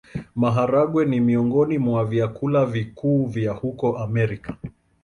Maharagwe ni miongoni mwa vyakula vikuu vya huko Amerika.